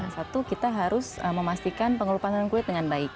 satu kita harus memastikan pengelupasan kulit dengan baik